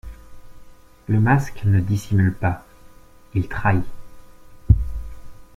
Le masque ne dissimule pas, il trahit.